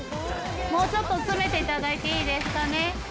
もうちょっと詰めていただいていいですかね。